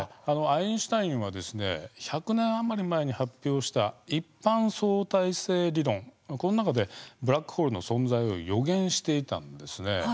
アインシュタインは１００年あまり前に発表した一般相対性理論、この中でブラックホールの存在を予言していたんです。